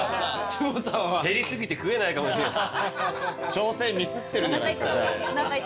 調整ミスってるじゃないですか。